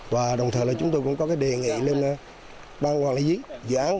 và đồng thời chúng tôi cũng có đề nghị lên ban hoàn lý dự án